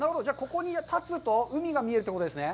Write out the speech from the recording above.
ここに立つと、海が見えるってことですね？